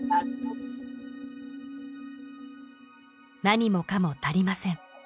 何もかも足りません